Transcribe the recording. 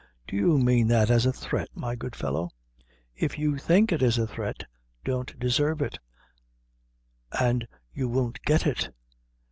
"Do you mean that as a threat, my good fellow?" "If you think it a threat, don't deserve it, an' you won't get it.